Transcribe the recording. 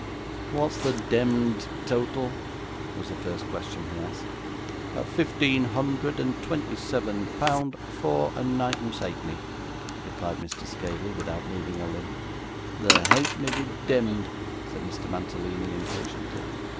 'What's the demd total?' was the first question he asked. 'Fifteen hundred and twenty seven pound, four and ninepence ha'penny,' replied Mr. Scaley, without moving a limb. 'The halfpenny be demd,' said Mr. Mantalini, impatiently.